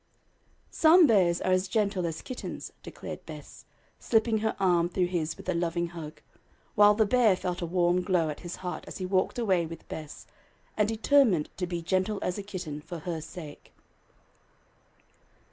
"Some bears are as gentle as kittens," declared Bess, slipping her arm through his with a loving hug, while "the bear" felt a warm glow at his heart as he walked away with Bess, and determined to be "gentle as a kitten" for her sake.